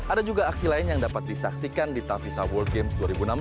ada juga aksi lain yang dapat disaksikan di tavisa world games dua ribu enam belas